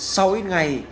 sau ít ngày